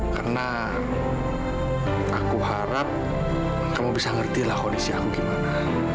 karena aku harap kamu bisa ngertilah kondisi aku gimana